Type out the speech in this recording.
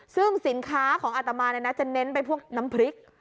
ซึ่งสินค้าของอัตมาจะเน้นไปพวกน้ำพริก